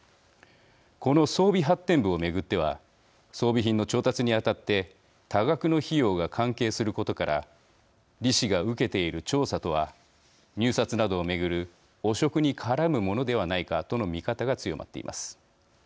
この装備発展部を巡っては装備品の調達にあたって多額の費用が関係することから李氏が受けている調査とは入札などを巡る汚職に絡むものではないかとの見方が強まっています。